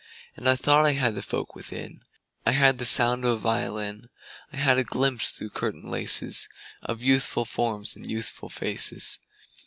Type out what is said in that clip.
And I thought I had the folk within: I had the sound of a violin; I had a glimpse through curtain laces Of youthful forms and youthful faces.